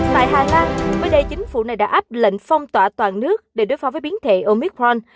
tại hà lan mới đây chính phủ này đã áp lệnh phong tỏa toàn nước để đối phó với biến thể omicron